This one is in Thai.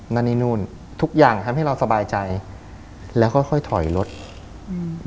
นั่นนี่นู่นทุกอย่างทำให้เราสบายใจแล้วค่อยค่อยถอยรถอืม